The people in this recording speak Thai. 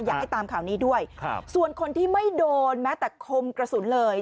อยากให้ตามข่าวนี้ด้วยครับส่วนคนที่ไม่โดนแม้แต่คมกระสุนเลย